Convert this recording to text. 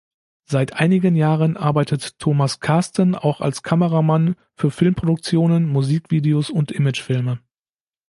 Seit einigen Jahren arbeitet Thomas Karsten auch als Kameramann für Filmproduktionen, Musikvideos und Imagefilme.